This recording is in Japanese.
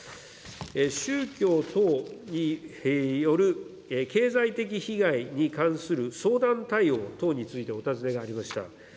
宗教等による経済的被害に関する相談対応等について、お尋ねがありました。